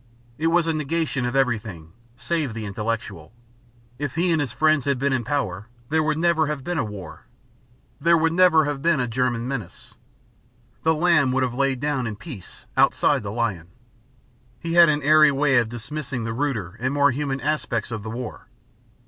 It was a negation of everything, save the intellectual. If he and his friends had been in power, there would never have been a war; there never would have been a German menace; the lamb would have lain down in peace, outside the lion. He had an airy way of dismissing the ruder and more human aspects of the war.